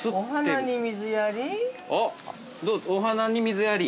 ◆お花に水やり？